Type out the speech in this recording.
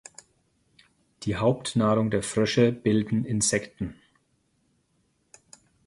Die Hauptnahrung der Frösche bilden Insekten.